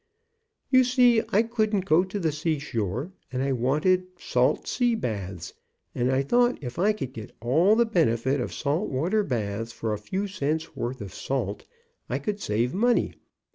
You see, I couldn't go to the seashore, and I wanted salt sea baths, and I thought if I could get all the benefit of salt water baths for a few cents' worth of salt, I could save money.